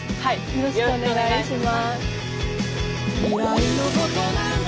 よろしくお願いします。